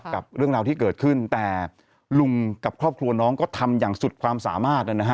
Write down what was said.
แต่ลุงค่ะพี่และที่ครอบครัวก็ทำอย่างสุดความสามารถ